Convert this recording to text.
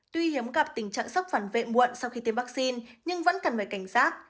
tuy hiếm gặp tình trạng sốc phản vệ muộn sau khi tiêm vaccine nhưng vẫn cần phải cảnh giác